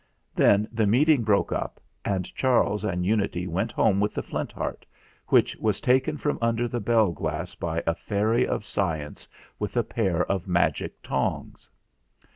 Then the meeting broke up, and Charles and Unity went home with the Flint Heart, which 326 THE FLINT HEART was taken from under the bell glass by a fairy of science with a pair of magic tongs.